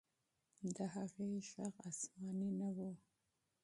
د هغې ږغ آسماني نه و.